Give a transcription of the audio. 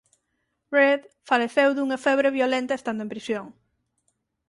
Read faleceu dunha febre violenta estando en prisión.